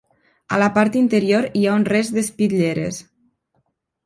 A la part interior hi ha un rest d'espitlleres.